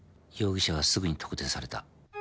容疑者はすぐに特定された。